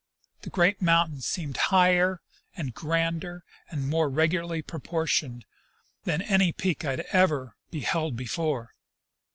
The great mountain seemed higher and grander and more regularly proportioned than any peak I had ever beheld before.